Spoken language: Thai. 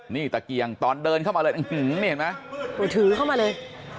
นี่ตะเกียงตอนเดินเข้ามาเลยนี่เห็นไหมมือถือเข้ามาเลย